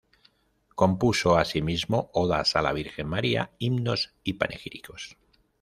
Compuso asimismo odas a la Virgen María, himnos y panegíricos.